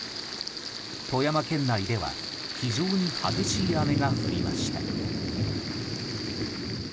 富山県内では非常に激しい雨が降りました。